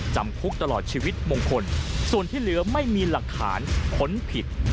จำคุกตลอดชีวิตมงคลส่วนที่เหลือไม่มีหลักฐานค้นผิด